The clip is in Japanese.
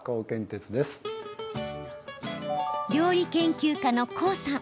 料理研究家のコウさん。